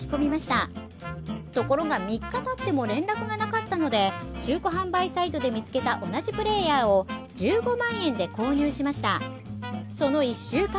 ところが３日たっても連絡がなかったので中古販売サイトで見つけた同じプレーヤーを１５万円で購入しました。